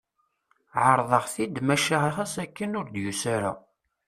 Ɛerḍeɣ-t-id maca ɣas akken, ur d-yusa ara.